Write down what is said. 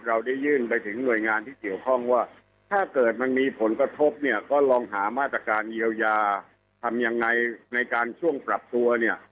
เราได้ยื่นไปถึงหน่วยงานที่เกี่ยวข้องว่าถ้าเกิดมันมีผลกระทบเนี่ยก็ลองหามาตรการเยียวยาทำยังไงในการช่วงปรับตัวเนี่ย